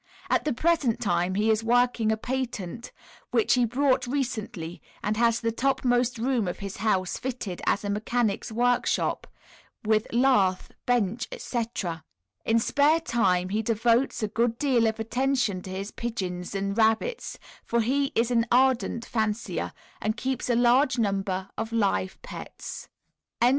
At the present time he is working a patent which he bought recently, and has the topmost room of his house fitted as a mechanic's workshop, with lathe, bench, etc. In spare time he devotes a good deal of attention to his pigeons and rabbits, for he is an ardent fancier, and keeps a large number of live pets. CHAPTER II.